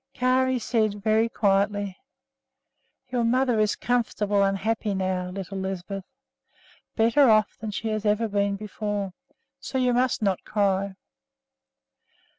Kari said very quietly: "Your mother is comfortable and happy now, little Lisbeth; better off than she has ever been before. So you must not cry."